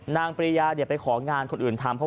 นางปริญญาเนี่ยไปของงานคนอื่นทำ